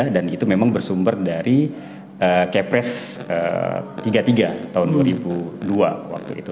dan itu memang bersumber dari kps tiga puluh tiga tahun dua ribu dua waktu itu